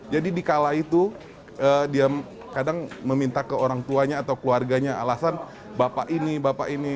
jadi dikala itu dia kadang meminta ke orang tuanya atau keluarganya alasan bapak ini bapak ini